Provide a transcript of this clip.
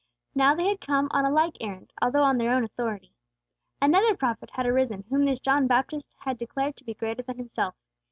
Now they had come on a like errand, although on their own authority. Another prophet had arisen whom this John Baptist had declared to be greater than himself.